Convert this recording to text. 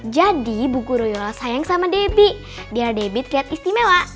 jadi ibu guru yola sayang sama debbie biar debbie terlihat istimewa